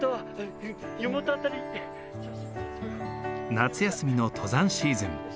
夏休みの登山シーズン。